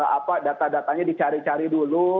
apa data datanya dicari cari dulu